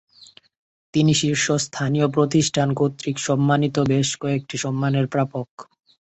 তিনি শীর্ষস্থানীয় প্রতিষ্ঠান কর্তৃক সম্মানিত বেশ কয়েকটি সম্মানের প্রাপক।